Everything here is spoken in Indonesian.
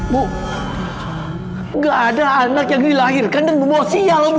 bu nggak ada anak yang dilahirkan dan bumo sial bu